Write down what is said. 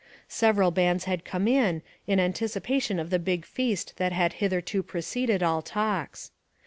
Several bands had come in, in anticipation of the big feast that had hitherto pre ceded all talks.